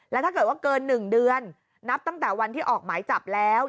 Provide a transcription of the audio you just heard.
แล้วถ้าเกิดว่าเกิน๑เดือนนับตั้งแต่วันที่ออกหมายจับแล้ว